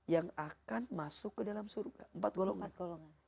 yang akan masuk ke dalam surga empat golongan golongan